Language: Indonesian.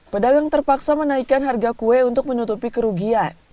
pedagang terpaksa menaikkan harga kue untuk menutupi kerugian